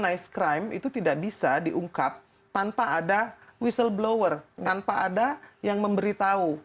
nice crime itu tidak bisa diungkap tanpa ada whistleblower tanpa ada yang memberitahu